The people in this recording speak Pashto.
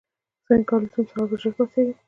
څنګه کولی شم په سهار ژر پاڅېږم